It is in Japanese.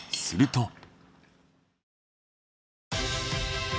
すると。